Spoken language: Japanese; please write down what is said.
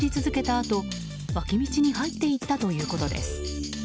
あと脇道に入っていったということです。